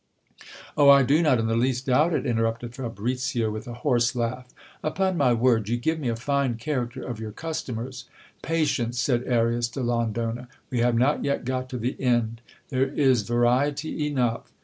Oh ! I do not in the least doubt it, interrupted Fabricio with a horse laugh. Upon my word, you give me a fine character of your customers. Patience, said Arias de Londona ; we have not yet got to the end : there is variety enough.